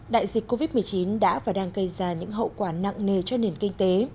đại dịch covid một mươi chín đã và đang gây ra những hậu quả nặng nề cho nền kinh tế